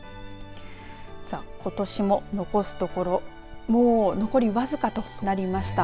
さあ、ことしも残すところもう残りわずかとなりました。